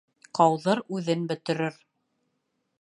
Ҡауҙыр үҙен бөтөрөр.